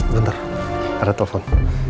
bentar ada telepon